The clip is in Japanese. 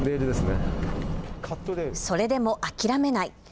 それでも諦めない。